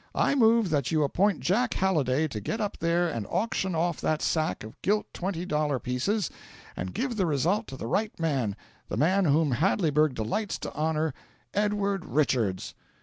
I move that you appoint Jack Halliday to get up there and auction off that sack of gilt twenty dollar pieces, and give the result to the right man the man whom Hadleyburg delights to honour Edward Richards."